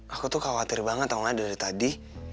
aku tuh khawatir banget tau gak dari tadi